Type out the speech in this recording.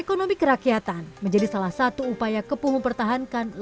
ekonomi kerakyatan menjadi salah satu upaya kepuh mempertahankan